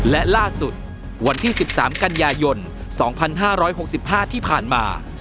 และล่าสุดวันที่สิบสามกันยายนสองพันห้าร้อยหกสิบห้าที่ผ่านมา